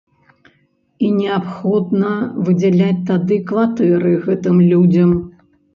І неабходна выдзяляць тады кватэры гэтым людзям.